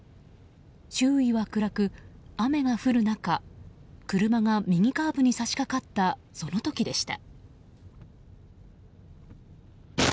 周囲は暗く、雨が降る中車が右カーブに差しかかったその時でした。